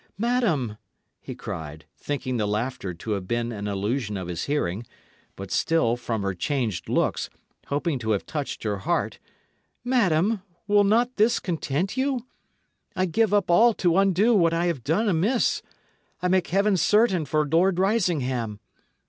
"Madam," he cried, thinking the laughter to have been an illusion of his hearing, but still, from her changed looks, hoping to have touched her heart, "madam, will not this content you? I give up all to undo what I have done amiss; I make heaven certain for Lord Risingham.